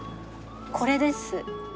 これです。